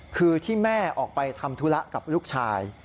คือที่แม่ออกไปทำธุระกับลูกชาย